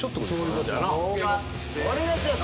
いきます。